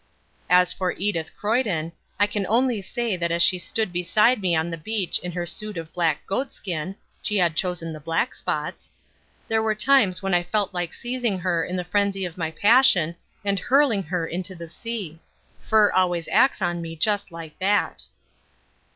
As for Edith Croyden, I can only say that as she stood beside me on the beach in her suit of black goatskin (she had chosen the black spots) there were times when I felt like seizing her in the frenzy of my passion and hurling her into the sea. Fur always acts on me just like that.